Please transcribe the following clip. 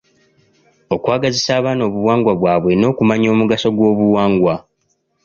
Okwagazisa abaana obuwangwa bwabwe n’okumanya omugaso gw’obuwangwa.